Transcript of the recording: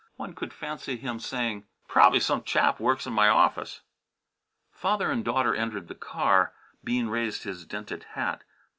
One could fancy him saying, "Prob'ly some chap works in m' office." Father and daughter entered the car. Bean raised his dented hat.